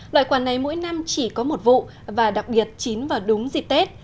loại quả này mỗi năm chỉ có một vụ và đặc biệt chín vào đúng dịp tết